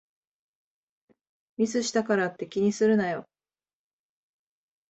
ミスしたからって気にするなよ